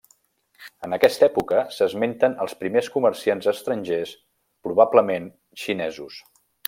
En aquesta època s'esmenten els primers comerciants estrangers probablement xinesos.